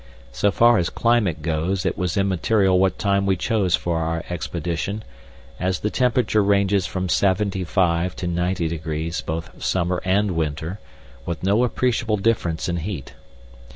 So far as climate goes, it was immaterial what time we chose for our expedition, as the temperature ranges from seventy five to ninety degrees both summer and winter, with no appreciable difference in heat.